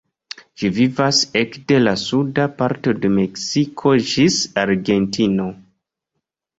Ĝi vivas ekde la suda parto de Meksiko ĝis Argentino.